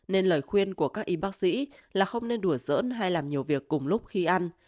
nên lời khuyên của các y bác sĩ là không nên đuổi giỡn hay làm nhiều việc cùng lúc khi ăn